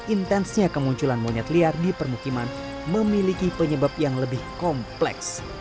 intensnya kemunculan monyet liar di permukiman memiliki penyebab yang lebih kompleks